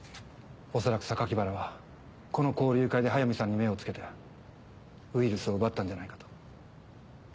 恐らく原はこの交流会で速水さんに目を付けてウイルスを奪ったんじゃないかと。